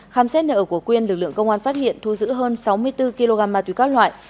khám xét nợ của quyên lực lượng công an phát hiện thu giữ hơn sáu mươi bốn kg ma túy các loại